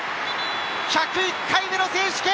１０１回目の選手権。